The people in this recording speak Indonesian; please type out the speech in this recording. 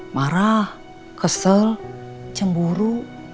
marah kesel cemburu